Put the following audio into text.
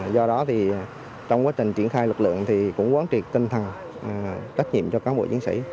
do đó thì trong quá trình triển khai lực lượng thì cũng quán triệt tinh thần trách nhiệm cho cán bộ chiến sĩ